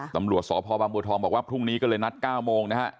ตำรวจสพบางบัวทองบอกว่าพรุ่งนี้ก็เลยนัด๙โมงนะฮะ